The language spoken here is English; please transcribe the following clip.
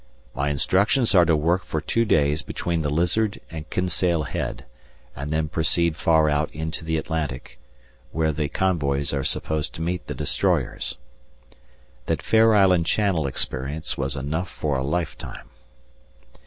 My instructions are to work for two days between the Lizard and Kinsale Head, and then proceed far out in the Atlantic, where the convoys are supposed to meet the destroyers. That Fair Island Channel experience was enough for a lifetime.